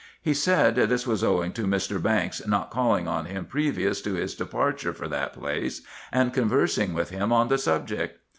He said, this was owing to Mr. Rankes not calling on him previous to his departure for that place, and conversing with him on the subject.